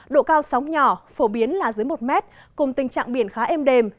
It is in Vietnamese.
độ cao sóng nhỏ phổ biến là dưới một mét cùng tình trạng biển khá êm đềm